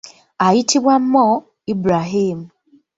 Ayitibwa Mo Ibrahim.